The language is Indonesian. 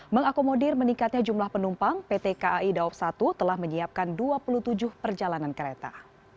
mengakomodir meningkatnya jumlah penumpang pt kai dawab satu telah menyiapkan dua puluh tujuh perjalanan kereta